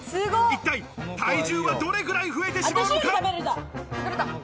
一体、体重はどれくらい増えてしまうのか。